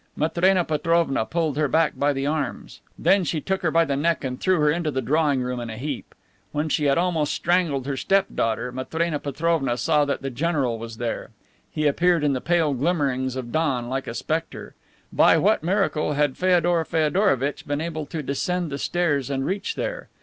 Matrena Petrovna pulled her back by the arms. Then she took her by the neck and threw her into the drawing room in a heap. When she had almost strangled her step daughter, Matrena Petrovna saw that the general was there. He appeared in the pale glimmerings of dawn like a specter. By what miracle had Feodor Feodorovitch been able to descend the stairs and reach there?